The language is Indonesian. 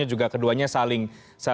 juga keduanya saling